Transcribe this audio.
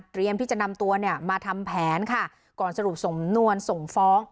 ที่จะนำตัวเนี่ยมาทำแผนค่ะก่อนสรุปสำนวนส่งฟ้อง